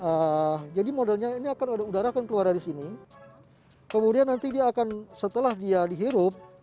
nah jadi modelnya ini akan ada udara akan keluar dari sini kemudian nanti dia akan setelah dia dihirup